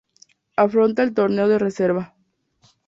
Afronta el Torneo de Reserva.